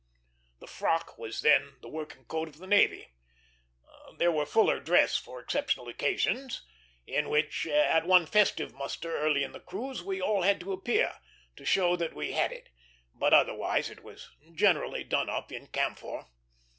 The frock was then the working coat of the navy. There was fuller dress for exceptional occasions, in which, at one festive muster early in the cruise, we all had to appear, to show that we had it; but otherwise it was generally done up in camphor.